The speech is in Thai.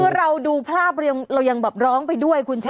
คือเราดูภาพเรายังแบบร้องไปด้วยคุณชนะ